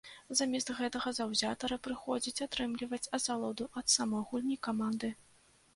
Замест гэтага заўзятары прыходзяць атрымліваць асалоду ад самой гульні каманды.